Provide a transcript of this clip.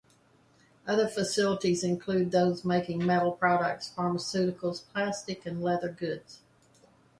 Other facilities include those making metal products, pharmaceuticals, plastic and leather goods.